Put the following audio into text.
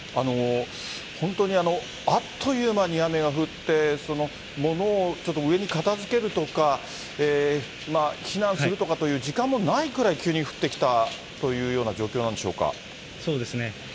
本当にあっという間に雨が降って、物をちょっと上に片づけるとか、避難するとかという時間もないくらい急に降ってきたというようなそうですね。